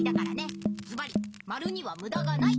ずばりまるにはむだがない！